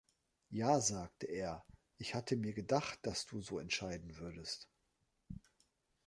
„Ja“, sagte er; „ich hatte mir gedacht, dass du so entscheiden würdest.“